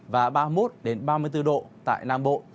và ba mươi một ba mươi bốn độ tại nam bộ